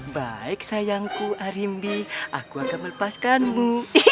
baik sayangku arimbi aku akan melepaskanmu